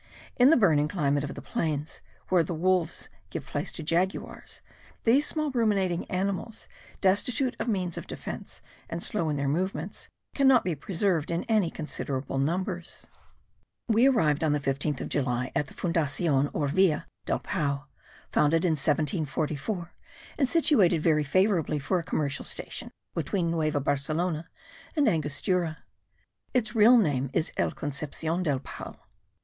In the burning climate of the plains, where the wolves give place to jaguars, these small ruminating animals, destitute of means of defence, and slow in their movements, cannot be preserved in any considerable numbers. We arrived on the 15th of July at the Fundacion, or Villa, del Pao, founded in 1744, and situated very favourably for a commercial station between Nueva Barcelona and Angostura. Its real name is El Concepcion del Pao.